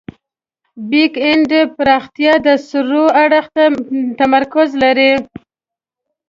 بیک اینډ پراختیا د سرور اړخ ته تمرکز لري.